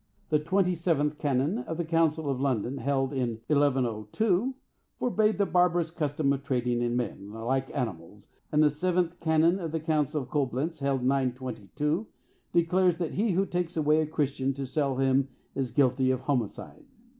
The twenty seventh canon of the Council of London, held 1102, forbade the barbarous custom of trading in men, like animals; and the seventh canon of the Council of Coblentz, held 922, declares that he who takes away a Christian to sell him is guilty of homicide.